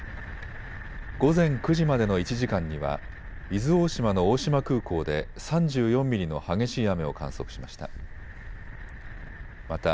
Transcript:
午前９時までの１時間には伊豆大島の大島空港で３４ミリの激しい雨を観測しました。